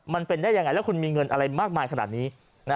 มันเป็นได้ยังไงแล้วคุณมีเงินอะไรมากมายขนาดนี้